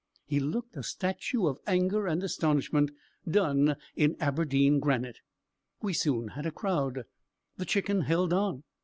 He looked a statue of anger and astonishment, done in Aberdeen granite. We soon had a crowd: the Chicken held on.